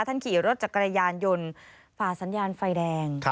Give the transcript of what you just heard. ท่านขี่รถจักรยานยนต์ฝ่าสัญญาณไฟแดง